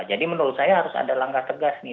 jadi menurut saya harus ada langkah tegas nih